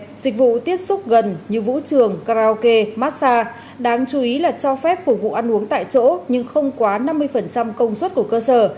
các dịch vụ tiếp xúc gần như vũ trường karaoke massage đáng chú ý là cho phép phục vụ ăn uống tại chỗ nhưng không quá năm mươi công suất của cơ sở